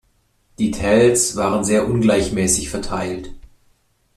Die Tells waren sehr ungleichmäßig verteilt.